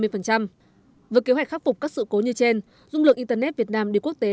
với kế hoạch khắc phục các sự cố như trên dung lượng internet việt nam đi quốc tế